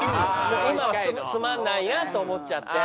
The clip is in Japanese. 今はつまんないなと思っちゃって。